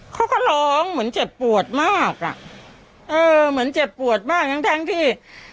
เขาก็ร้องเหมือนเจ็บปวดมากอ่ะเออเหมือนเจ็บปวดมากทั้งทั้งที่